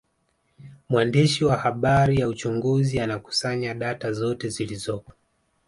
Mwandishi wa habari za uchunguzi anakusanya data zote zilizopo